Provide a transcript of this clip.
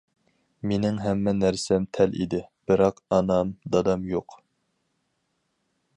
مېنىڭ ھەممە نەرسەم تەل ئىدى، بىراق ئانام-دادام يوق.